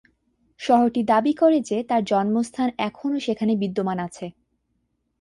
শহরটি দাবি করে যে তার জন্মস্থান এখনও সেখানে বিদ্যমান আছে।